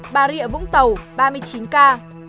bà rịa vũng tàu ba mươi chín ca